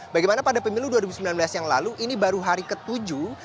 bagaimana pada pemilu dua ribu sembilan belas yang lalu ini baru hari ketujuh